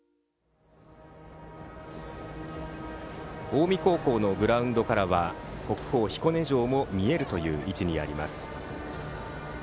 近江高校のグラウンドからは国宝・彦根城も見えるという位置にあります。